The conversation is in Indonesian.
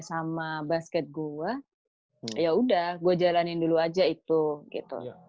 sama basket gue yaudah gue jalanin dulu aja itu gitu